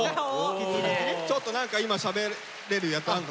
ちょっと今しゃべれるやつあんの？